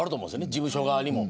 事務所側にも。